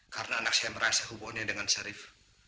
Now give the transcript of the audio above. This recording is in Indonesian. karena anak saya merasa hubungannya dengan sharif